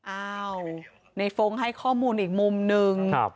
อ้าวในฟงค์ให้ข้อมูลอีกมุมนึง